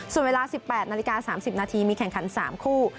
ส่วนเวลา๑๘นาฬิกา๓๐นาทีมีแข่งขัน๓คู่